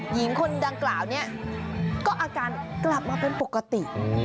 หญิงคนดังกล่าวนี้ก็อาการกลับมาเป็นปกติ